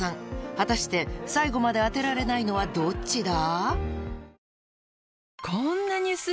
［果たして最後まで当てられないのはどっちだ？］